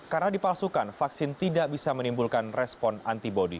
karena dipalsukan vaksin tidak bisa menimbulkan respon antibody